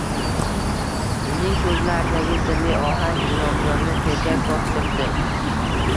Uning so`zlaridagi sirli ohang Inomjonni sergak torttirdi